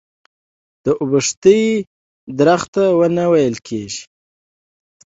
د اوبښتې درخته ونه ويل کيږي.